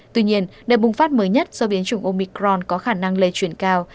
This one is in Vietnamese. tuy nhiên đợt bùng phát mới nhất do biến chủng omicron có khả năng lây truyền cao